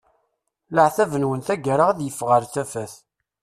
Leɛtab-nwen tagara ad yeffeɣ ɣer tafat.